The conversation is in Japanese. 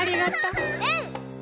うん！